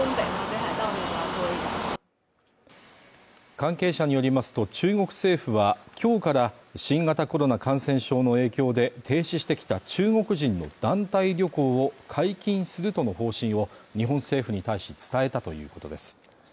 関係者によりますと中国政府は今日から新型コロナ感染症の影響で停止してきた中国人の団体旅行を解禁するとの方針を日本政府に対し伝えたということです